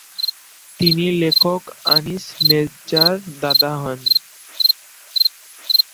তিনি লেখক আনিস মেজজা’র দাদা হন।